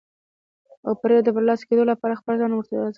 او پرې د برلاسه کېدو لپاره خپل ځان کې وړتیاوې اضافه کوي.